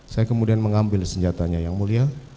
saya kemudian mengambil senjatanya yang mulia